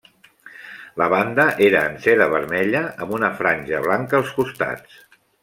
La banda era en seda vermella amb una franja blanca als costats.